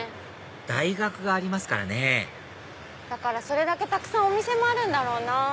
大学がありますからねだからそれだけたくさんお店もあるんだろうなぁ。